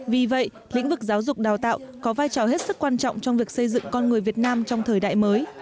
vì vậy lĩnh vực giáo dục đào tạo có vai trò hết sức quan trọng trong việc xây dựng con người việt nam trong thời đại mới